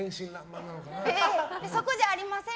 そこじゃありません！